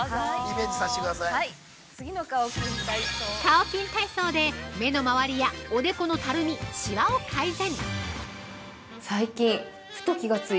◆カオキン体操で目の周りやおでこのたるみ、しわを改善。